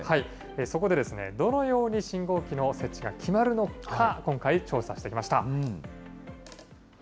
そこで、どのように信号機の設置が決まるのか、今回、調査してきました。